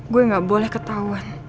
gue gak boleh ketahuan